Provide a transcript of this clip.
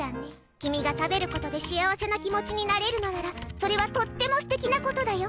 君が食べることで幸せな気持ちになれるのならそれはとっても素敵なことだよ。